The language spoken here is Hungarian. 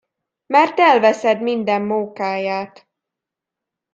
Mert elveszed minden mókáját.